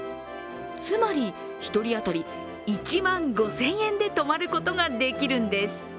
つまり、１人当たり１万５０００円で泊まることができるんです。